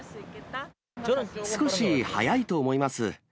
少し早いと思います。